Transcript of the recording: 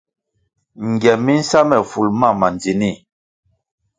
Ngiem mi nsa me ful mam ma ndzinih.